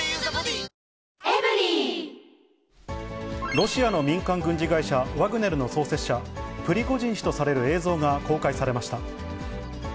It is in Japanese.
ロシアの民間軍事会社、ワグネルの創設者、プリゴジン氏とされる映像が公開されました。